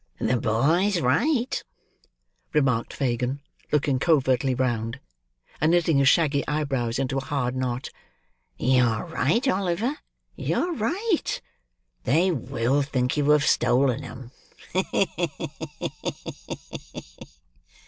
"The boy's right," remarked Fagin, looking covertly round, and knitting his shaggy eyebrows into a hard knot. "You're right, Oliver, you're right; they will think you have stolen 'em. Ha!